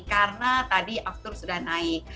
karena tadi altur sudah naik